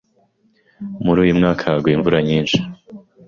Muri uyu mwaka haguye imvura nyinshi.